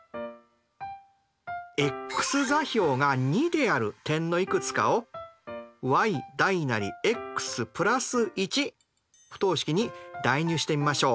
ｘ座標が２である点のいくつかをｙｘ＋１不等式に代入してみましょう。